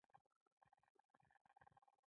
الماري د زړه خوږې یادونې ساتي